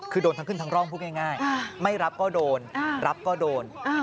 คือโดนทั้งขึ้นทั้งร่องพูดง่ายไม่รับก็โดนรับก็โดน